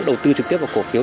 đầu tư trực tiếp vào cổ phiếu